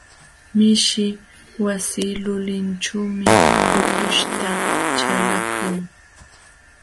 Mishi wasi lulinćhuumi ukuśhta chalaqlun.